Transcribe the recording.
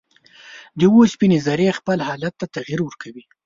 د اوسپنې ذرې خپل حالت ته تغیر ورکوي.